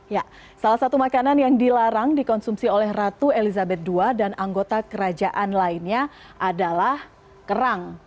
ya salah satu makanan yang dilarang dikonsumsi oleh ratu elizabeth ii dan anggota kerajaan lainnya adalah kerang